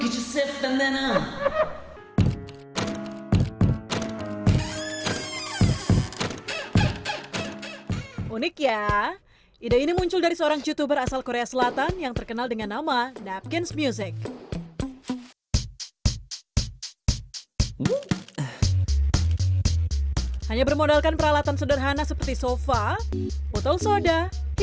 jika anda ingin membuat suara lihatlah diri anda sendiri